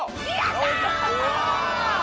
やった！